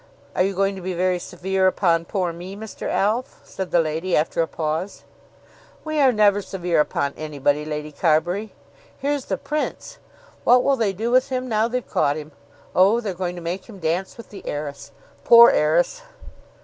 "Are you going to be very severe upon poor me, Mr. Alf?" said the lady after a pause. "We are never severe upon anybody, Lady Carbury. Here's the Prince. What will they do with him now they've caught him! Oh, they're going to make him dance with the heiress. Poor heiress!"